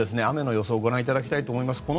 雨の予想をご覧いただきたいと思います。